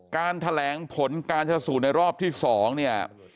การแถลงผลการชนะสูตรในรอบที่๒เนี่ย